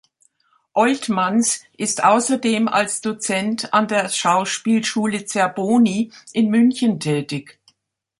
Oltmanns ist außerdem als Dozent an der Schauspielschule Zerboni in München tätig.